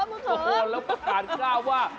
แอบเขิดแล้วประกาศกล้าว่า